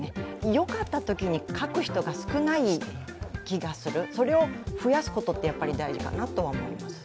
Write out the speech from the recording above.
よかったときに書く人が少ない気がする、それを増やすことって大事かなと思いますね。